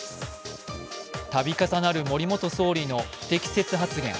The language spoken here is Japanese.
度重なる森元総理の不適切発言。